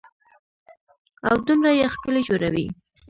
او دومره يې ښکلي جوړوي.